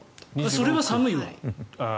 それは寒いわ。